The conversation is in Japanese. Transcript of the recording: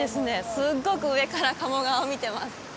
すっごく上から鴨川を見てます